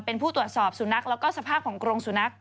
เป็นผู้ตรวจสอบสุนัขแล้วก็สภาพของกรงสุนัข